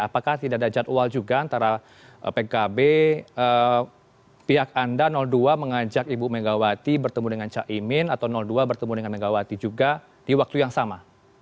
apakah tidak ada jadwal juga antara pkb pihak anda dua mengajak ibu megawati bertemu dengan caimin atau dua bertemu dengan megawati juga di waktu yang sama